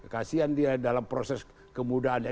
kasian dia dalam proses kemudahannya